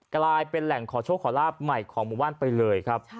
กลายเป็นแหล่งขอโชคขอลาบใหม่ของหมู่บ้านไปเลยครับ